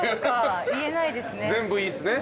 全部いいっすね。